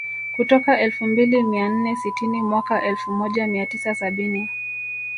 kutoka elfu mbili mia nne sitini mwaka elfu moja mia tisa sabini